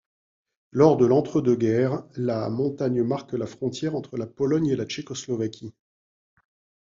Lors de l'entre-deux-guerres, la montagne marque la frontière entre la Pologne et la Tchécoslovaquie.